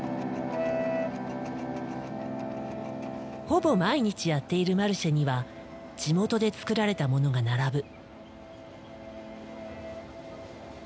ほぼ毎日やっているマルシェには地元で作られたものが並ぶ。